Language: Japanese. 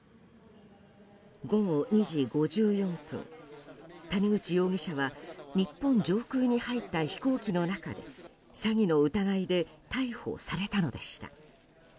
午後２時５４分谷口容疑者は日本上空に入った飛行機の中で詐欺の疑いで逮捕されたのでした。